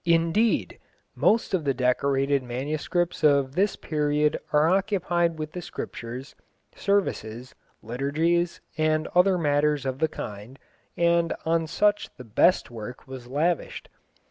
Indeed, most of the decorated manuscripts of this period are occupied with the Scriptures, services, liturgies, and other matters of the kind, and on such the best work was lavished.